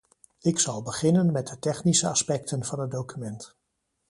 Ik zal beginnen met de technische aspecten van het document.